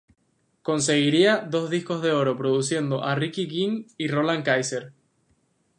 Conseguiría dos discos de oro produciendo a Ricky King y Roland Kaiser.